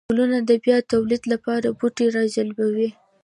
گلونه د بيا توليد لپاره بوټي راجلبوي